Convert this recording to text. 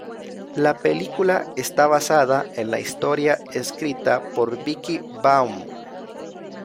La película está basada en la historia escrita por Vicki Baum.